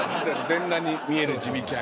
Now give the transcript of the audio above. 全裸に見える地引き網。